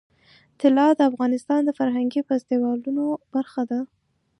طلا د افغانستان د فرهنګي فستیوالونو برخه ده.